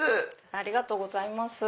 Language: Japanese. ありがとうございます。